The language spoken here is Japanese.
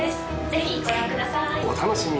ぜひご覧ください。